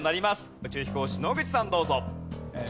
宇宙飛行士野口さんどうぞ。